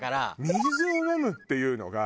水を飲むっていうのが。